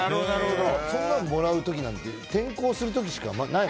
そんなんもらうときなんて転校するときしかない。